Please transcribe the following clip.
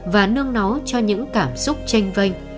và nương nó cho những cảm xúc tranh vanh